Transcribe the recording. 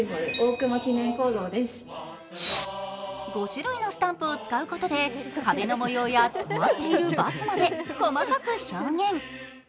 ５種類のスタンプを使うことで壁の模様や止まっているバスまで細かく表現。